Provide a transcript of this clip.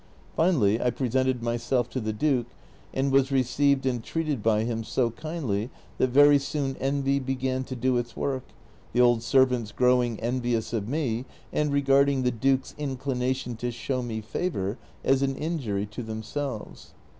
Finally, I presented myself to the duke, and was received and treated by him so kindly that very soon envy began to do its work, the old servants growing envious of me, and regarding the duke's inclination to show me favor as an injury to themselves.